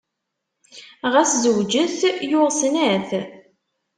Ɣas zewǧet, yuɣ snat.